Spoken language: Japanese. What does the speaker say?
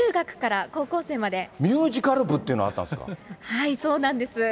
ミュージカル部っていうのあはい、そうなんです。